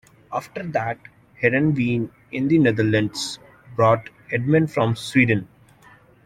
After that, Heerenveen in the Netherlands brought Edman from Sweden.